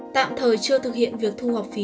tạm thời chưa thực hiện việc thu học phí